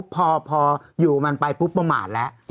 พออยู่มันไปปุ๊บประมาทแล้ว